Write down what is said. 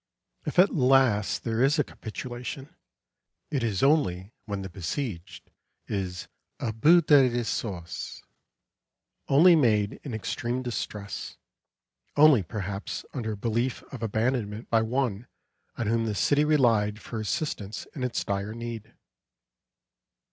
If at last there is a capitulation, it is only when the besieged is au bout de ressources; only made in extreme distress, only perhaps under a belief of abandonment by one on whom the city relied for assistance in its dire need.